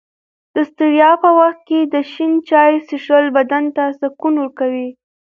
د ستړیا په وخت کې د شین چای څښل بدن ته سکون ورکوي.